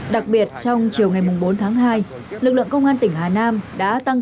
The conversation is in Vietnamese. đặc biệt trong chiều ngày bốn tháng hai lực lượng công an tỉnh hà nam đã tăng